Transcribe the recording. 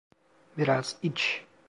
Biraz iç.